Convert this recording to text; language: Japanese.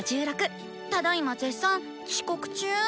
只今絶賛遅刻中！